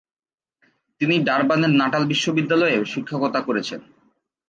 তিনি ডারবানের নাটাল বিশ্ববিদ্যালয়েও শিক্ষকতা করেছেন।